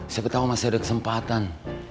siapa tau masih ada kesempatan